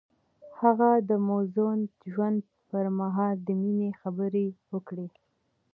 هغه د موزون ژوند پر مهال د مینې خبرې وکړې.